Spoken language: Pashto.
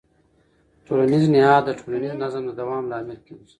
ټولنیز نهاد د ټولنیز نظم د دوام لامل کېږي.